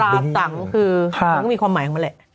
เขาว่าตราสังคือเขาก็มีความหมายออกมาแหละ